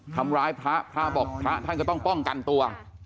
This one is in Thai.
คำร้ายพระพระบอกพระต้องป้องกันตัว